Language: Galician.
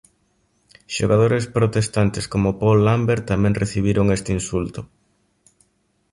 Xogadores protestantes como Paul Lambert tamén recibiron este insulto.